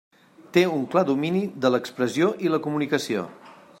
Té un clar domini de l'expressió i la comunicació.